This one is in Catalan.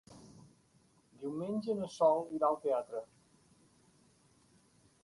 Diumenge na Sol irà al teatre.